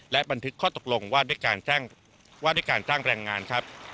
และบันทึกข้อตกลงว่าด้วยการแจ้งว่าด้วยการจ้างแรงงานครับ